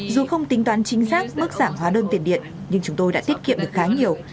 dù không tính toán chính xác mức giảm hóa đơn tiền điện nhưng chúng tôi đã tiết kiệm được khá nhiều